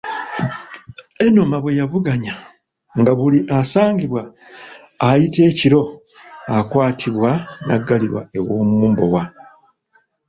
Ennoma bwe yavuganga, nga buli asangibwa ayita ekiro akwatibwa n'aggalirwa ew'Omumbowa.